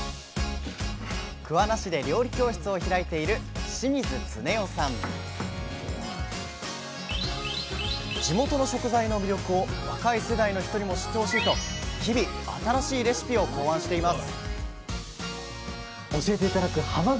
桑名市で料理教室を開いている地元の食材の魅力を若い世代の人にも知ってほしいと日々新しいレシピを考案しています